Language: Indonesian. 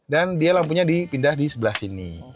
dan dia lampunya dipindah di sebelah sini